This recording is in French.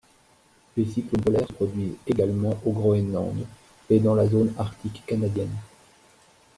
Les cyclones polaires se produisent également au Groenland et dans la zone Arctique canadienne.